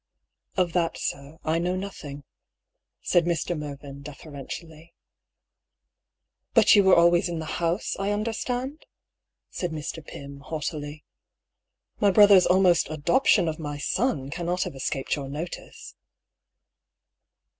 " Of that, sir, I know nothing," said Mr. Mervyn, deferentially. 106 DR. PAULL'S THEORY. " But you were always in the house, I understand?" said Mr. Pym, haughtily. " My brother's almost adop tion of my son cannot have escaped your notice."